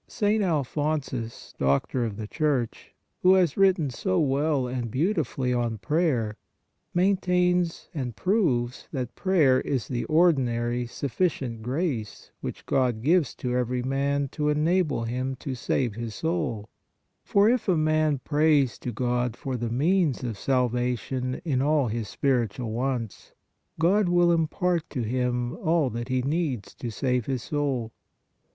St. Alphonsus, Doctor of the Church, who has writ ten so well and beautifully on Prayer, maintains and proves that prayer is the ordinary sufficient grace which God gives to every man to enable him to save his soul, for if a man prays to God for the means of salvation, in all his spiritual wants, God will im part to him all that he needs to save his soul.